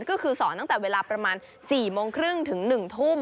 ก็คือสอนตั้งแต่เวลาประมาณ๔โมงครึ่งถึง๑ทุ่ม